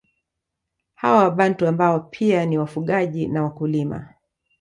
Hawa wabantu ambao pia ni wafugaji na wakulima